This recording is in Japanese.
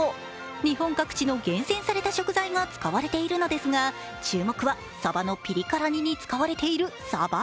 日本各地の厳選された食材が使われているのですが、注目は、さばのピリ辛煮に使われているさば。